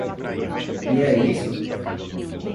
E é isso?